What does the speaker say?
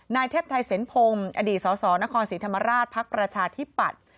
นายเทพไทยเซ็นพงศ์อดีตสสนครศรีธรรมราชภักดิ์ประชาธิปัตย์